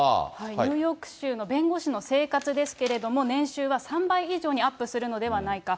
ニューヨーク州の弁護士の生活ですけれども、年収は３倍以上にアップするのではないか。